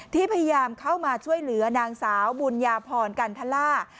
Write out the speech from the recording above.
ที่พยายามเข้ามาช่วยเหลือนางสาวบุญญาพรกันทล่า